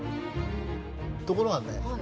ところがね